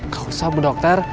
gak usah bu dokter